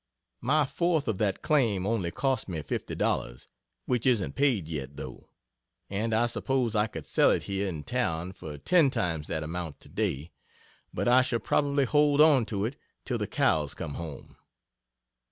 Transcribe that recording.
My fourth of that claim only cost me $50, (which isn't paid yet, though,) and I suppose I could sell it here in town for ten times that amount today, but I shall probably hold onto it till the cows come home.